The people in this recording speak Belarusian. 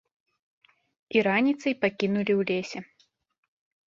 І раніцай пакінулі ў лесе.